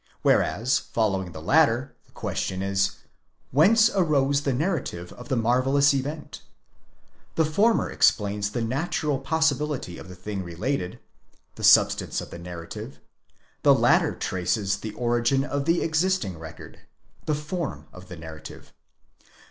Whereas, following the latter, the question is: whence arose the narrative of the marvellous event? The former explains the natural pos sibility of the thing related (the substance of the narrative); the latter traces the origin of the existing record (the form of the narrative).